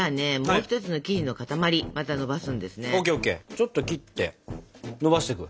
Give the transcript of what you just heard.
ちょっと切ってのばしてく。